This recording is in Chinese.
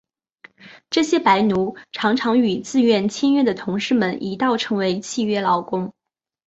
这些白奴常常与自愿签约的同事们一道成为契约劳工。